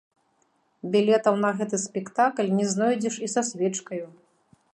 Білетаў на гэты спектакль не знойдзеш і са свечкаю.